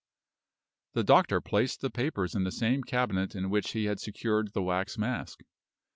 The doctor placed the papers in the same cabinet in which he had secured the wax mask.